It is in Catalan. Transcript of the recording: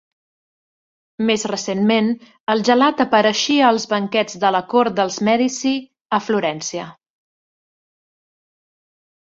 Més recentment el gelat apareixia als banquets de la cort dels Mèdici a Florència.